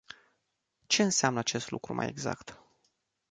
Ce înseamnă acest lucru mai exact?